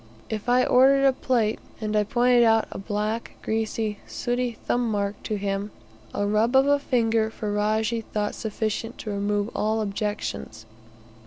If I ordered a plate, and I pointed out a black, greasy, sooty thumbmark to him, a rub of a finger Ferajji thought sufficient to remove all objections.